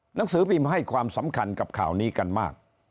หนังสือพิมพ์ให้ความสำคัญกับข่าวนี้กันมาก